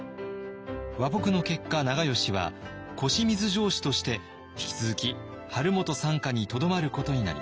和睦の結果長慶は越水城主として引き続き晴元傘下にとどまることになりました。